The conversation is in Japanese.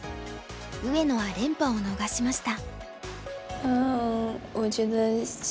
上野は連覇を逃しました。